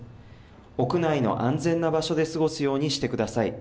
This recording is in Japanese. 屋内の安全な場所で過ごすようにしてください。